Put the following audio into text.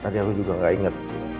tadi aku juga gak inget